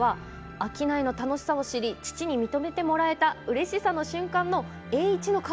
商いの楽しさを知り父に認めてもらえたうれしさの瞬間の栄一の顔